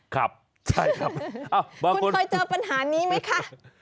ครับใช่ครับอ้าวบางคนคุณเคยเจอปัญหานี้ไหมคะ